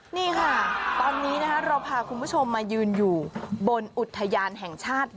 นี่ค่ะตอนนี้นะคะเราพาคุณผู้ชมมายืนอยู่บนอุทยานแห่งชาติ